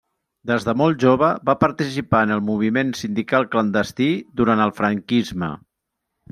Des de molt jove va participar en el moviment sindical clandestí durant el franquisme.